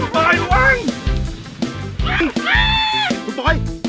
คุณปอยคุณปอย